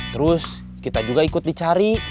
terus kita juga ikut dicari